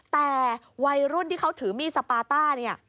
แต่วัยรุ่นที่เขาถือมีดสปาต้าเนี่ย